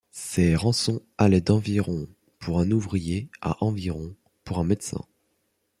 Ces rançons allaient d'environ pour un ouvrier à environ pour un médecin.